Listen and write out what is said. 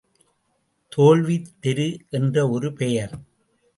தோல்வித் தெரு என்று ஒரு பெயர்!